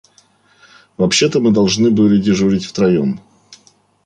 Вообще-то мы должны были дежурить втроём.